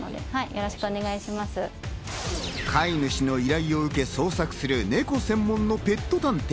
飼い主の依頼を受け、捜索するネコ専門のペット探偵